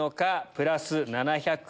プラス７００円。